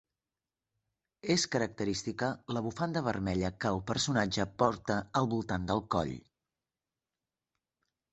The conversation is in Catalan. És característica la bufanda vermella que el personatge porta al voltant del coll.